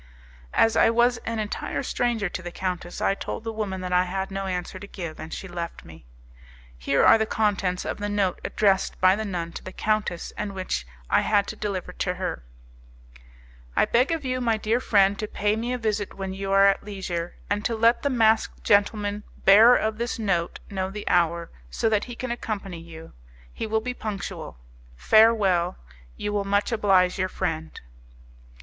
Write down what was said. As I was an entire stranger to the countess, I told the woman that I had no answer to give, and she left me. Here are the contents of the note addressed by the nun to the countess, and which I had to deliver to her: "I beg of you, my dear friend, to pay me a visit when you are at leisure, and to let the masked gentleman bearer of this note know the hour, so that he can accompany you. He will be punctual. Farewell. You will much oblige your friend."